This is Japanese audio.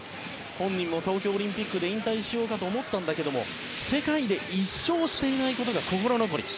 本人も東京オリンピックで引退しようかと思ったけれども世界で１勝していないことが心残り。